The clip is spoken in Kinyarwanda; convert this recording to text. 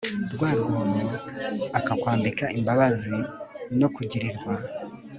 rwa rwobo akakwambika imbabazi no kugirirwa